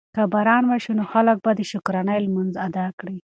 که باران وشي نو خلک به د شکرانې لمونځ ادا کړي.